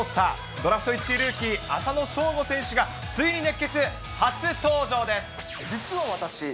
ドラフト１位ルーキー、浅野翔吾選手が、ついに熱ケツ初登場です。